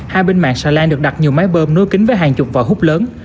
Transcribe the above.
hai bên mạng sà lan được đặt nhiều máy bơm nối kính với hàng chục vỏ hút lớn